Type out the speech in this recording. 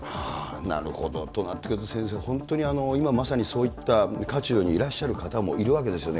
なるほど。となってくると、先生、本当に今まさに、そういった渦中にいらっしゃる方もいるわけですよね。